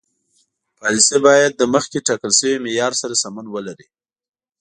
پالیسي باید د مخکې ټاکل شوي معیار سره سمون ولري.